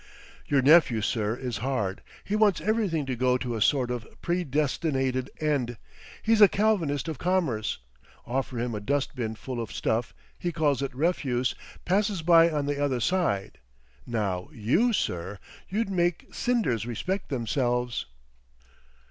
"Your nephew, sir, is hard; he wants everything to go to a sort of predestinated end; he's a Calvinist of Commerce. Offer him a dustbin full of stuff; he calls it refuse—passes by on the other side. Now you, sir you'd make cinders respect themselves."